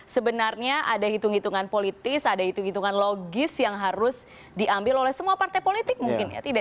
sebenarnya ada hitung hitungan politis ada hitung hitungan logis yang harus diambil oleh semua partai politik mungkin ya